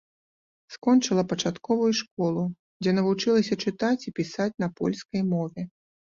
Скончыла пачатковую школу, дзе навучылася чытаць і пісаць на польскай мове.